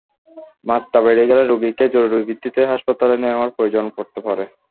মাত্রা বেড়ে গেলে রোগীকে জরুরি ভিত্তিতে হাসপাতালে নেওয়ার প্রয়োজন পড়তে পারে।